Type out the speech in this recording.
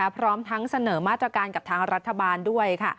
พร้อมทั้งเสนอมาตรการกับทางรัฐบาลด้วยค่ะ